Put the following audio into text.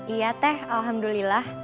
iya teh alhamdulillah